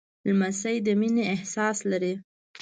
لمسی د مینې احساس لري.